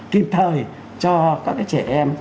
kịp thời cho các cái trẻ em